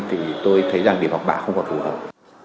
thì tôi thấy rằng điểm học bạc không có phù hợp